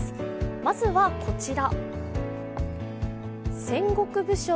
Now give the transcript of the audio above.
まずはこちら。